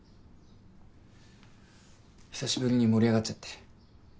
久しぶりに盛り上がっちゃって。